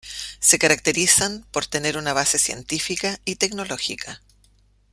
Se caracterizan por tener una base científica y tecnológica.